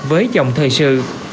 với dòng thời sự